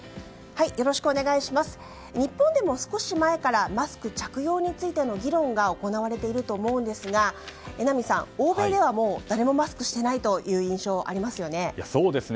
日本でも少し前からマスク着用についての議論が行われていると思うんですが榎並さん、欧米では誰もマスクしていないという印象ありますよね。